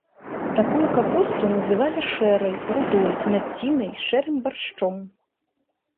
Такую капусту называлі шэрай, рудой, націнай, шэрым баршчом.